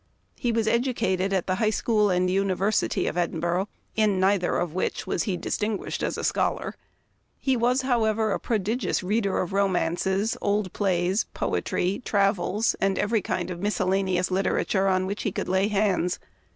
He was educated at the High School and University of Edinburgh, in neither of which was he distinguished as a scholar. He was, however, a prodigious reader of romances, old plays, poetry, travels, and every kind of miscellaneous literature on which he could lay hands.